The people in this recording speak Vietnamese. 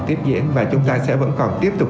tiếp diễn và chúng ta sẽ vẫn còn tiếp tục